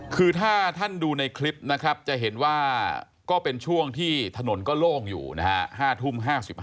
คือถ้าท่านดูในคลิปนะครับจะเห็นว่าก็เป็นช่วงที่ถนนก็โล่งอยู่นะฮะ๕ทุ่ม๕๕